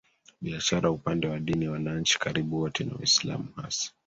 biashara Upande wa dini wananchi karibu wote ni Waislamu hasa